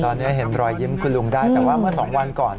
ตอนนี้เห็นรอยยิ้มคุณลุงได้แต่ว่าเมื่อ๒วันก่อน